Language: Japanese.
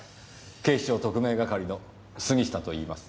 警視庁特命係の杉下といいます。